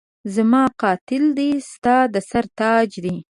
زما قاتل دی ستا د سر تاج دی